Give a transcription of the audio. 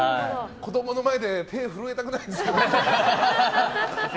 子供の前で手震えたくないですけどね。